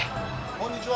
こんにちは。